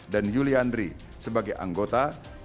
dan yuli andri sebagai anggota